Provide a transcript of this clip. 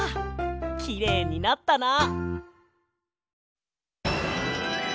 きれいになったな！